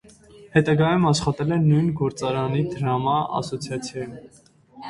Հետագայում աշխատել է նույն գործարանի դրամա ասոցիացիայում։